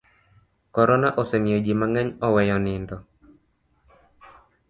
Korona osemiyo ji mang'eny oweyo nindo.